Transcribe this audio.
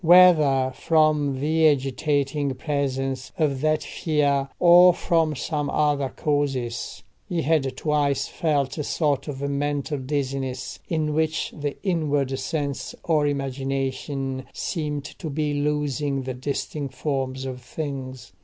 Whether from the agitating presence of that fear, or from some other causes, he had twice felt a sort of mental dizziness, in which the inward sense or imagination seemed to be losing the distinct forms of things.